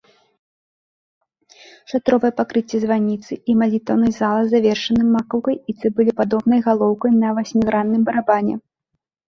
Шатровыя пакрыцці званіцы і малітоўнай залы завершаны макаўкай і цыбулепадобнай галоўкай на васьмігранным барабане.